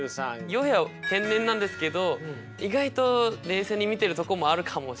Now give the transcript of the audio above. ＹＯＨＥは天然なんですけど意外と冷静に見てるとこもあるかもしれない。